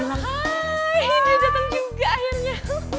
ini dia datang juga akhirnya